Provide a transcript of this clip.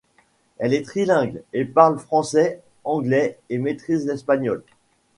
Elle est trilingue et parle français, anglais et maîtrise l'espagnol.